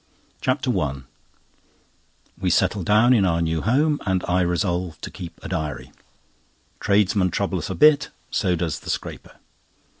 CHAPTER I We settle down in our new home, and I resolve to keep a diary. Tradesmen trouble us a bit, so does the scraper.